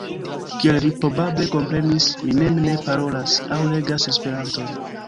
Kiel vi probable komprenis, mi mem ne parolas aŭ legas Esperanton.